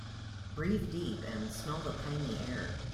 Breathe deep and smell the piny air.